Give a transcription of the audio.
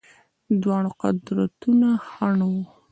دواړه قدرتونه خنډ وه.